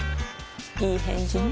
いい返事ね